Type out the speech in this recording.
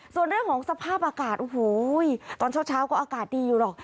ส่วนเรื่องของสภาพอากาศโอ้โหตอนเช้าก็อากาศดีอยู่หรอก